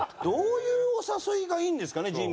どういうお誘いがいいんですかね？